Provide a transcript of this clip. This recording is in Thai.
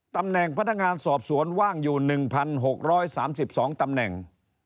ตำแหน่งพนักงานสอบสวนว่างอยู่๑๖๓๒ตำแหน่ง